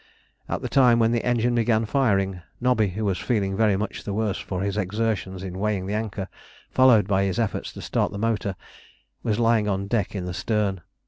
At the time when the engine began firing, Nobby, who was feeling very much the worse for his exertions in weighing anchor followed by his efforts to start the motor, was lying on deck in the stern.